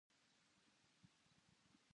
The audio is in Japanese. ご迷惑をお掛けしますが、よろしくお願いいたします。